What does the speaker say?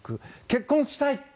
結婚したい。